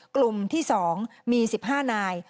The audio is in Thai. กลุ่มที่๒มี๑๕นาย